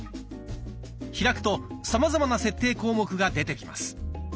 開くとさまざまな設定項目が出てきます。